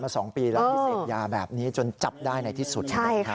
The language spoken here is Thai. มาพิเศษยาแบบนี้จนจับได้ในที่สุด